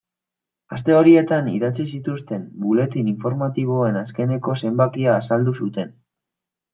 Aste horietan idatzi zituzten buletin informatiboen azkeneko zenbakian azaldu zuten.